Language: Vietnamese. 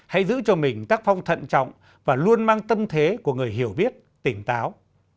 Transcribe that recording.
hãy giữ cho mình tác phong thận trọng và luôn mang tâm thế của người hiểu biết tỉnh táo